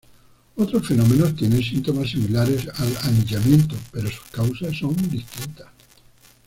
Otros fenómenos tienen síntomas similares al anillamiento, pero sus causas son distintas.